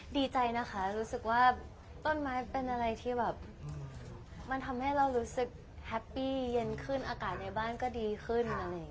ดีใจนะคะรู้สึกว่าต้นไม้เป็นอะไรที่แบบมันทำให้เรารู้สึกแฮปปี้เย็นขึ้นอากาศในบ้านก็ดีขึ้นอะไรอย่างนี้